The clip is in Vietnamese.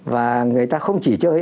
và người ta không chỉ chơi